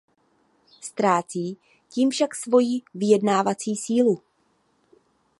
Ztrácí tím však svoji vyjednávací sílu.